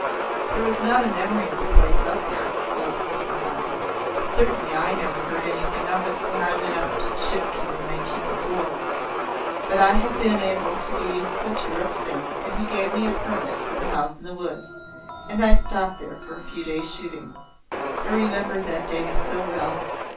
"There was not a memory of the place up there," Olesen went on. "Certainly I never heard anything of it when I went up to the Shipki in 1904. But I had been able to be useful to Rup Singh and he gave me a permit for The House in the Woods, and I stopped there for a few days' shooting. I remember that day so well.